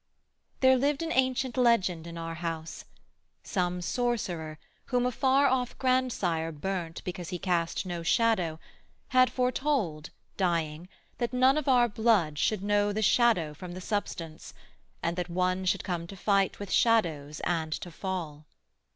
There lived an ancient legend in our house. Some sorcerer, whom a far off grandsire burnt Because he cast no shadow, had foretold, Dying, that none of all our blood should know The shadow from the substance, and that one Should come to fight with shadows and to fall.